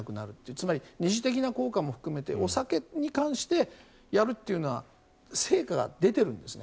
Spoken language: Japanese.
つまり二次的な効果も含めてお酒に関してやるというのは成果が出ているんですね。